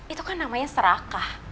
itu kan namanya serakah